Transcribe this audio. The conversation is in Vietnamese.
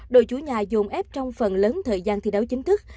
đội chủ nhà dồn ép trong phần lớn thời gian thi đấu chính thức